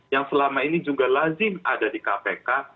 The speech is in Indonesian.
yang selama ini juga lazim ada di kpk